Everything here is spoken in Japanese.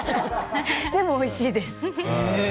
でもおいしいです。